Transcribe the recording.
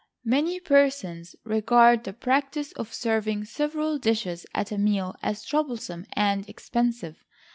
Many persons regard the practice of serving several dishes at a meal as troublesome and expensive.